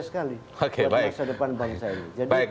sekali oke baik